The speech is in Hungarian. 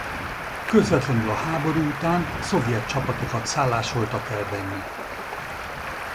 Közvetlenül a háború után szovjet csapatokat szállásoltak el benne.